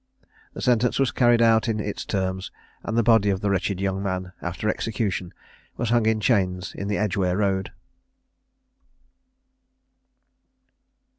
The sentence was carried out in its terms; and the body of the wretched young man, after execution, was hung in chains in the Edgeware road.